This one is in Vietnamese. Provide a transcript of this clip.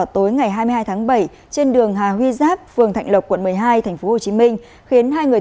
tại thành phố hồ chí minh